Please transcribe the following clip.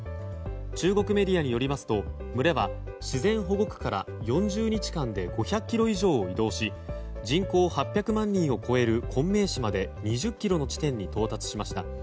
中国メディアによりますと群れは自然保護区から４０日間で５００ｋｍ以上を移動し人口８００万人を超える昆明市まで２０ｋｍの地点に到達しました。